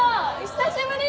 久しぶり。